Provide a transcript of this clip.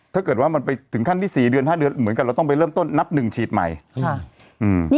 ถ้าเกิดว่ามันไปถึงขั้นที่๔๕เดือนเหมือนกันเราต้องไปเริ่มต้นนับหนึ่งฉีดใหม่